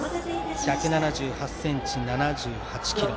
１７８ｃｍ、７８ｋｇ。